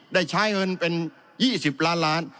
ได้ใช้เงินเป็น๒๐ล้านล้าน